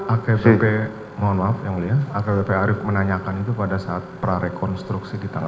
akpp mohon maaf yang mulia akbp arief menanyakan itu pada saat prarekonstruksi di tanggal